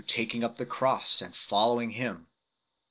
up the cross and following Him.